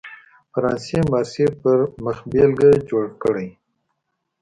فرانسې مارسي پر مخبېلګه جوړ کړی.